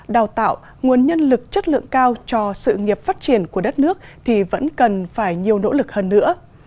đào tạo nguồn nhân lực chất lượng cao cho sự nghiệp phát triển của đất nước thì vẫn cần phải nhiều nỗ lực hơn nữa